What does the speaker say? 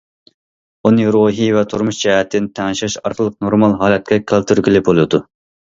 ئۇنى روھىي ۋە تۇرمۇش جەھەتتىن تەڭشەش ئارقىلىق نورمال ھالەتكە كەلتۈرگىلى بولىدۇ.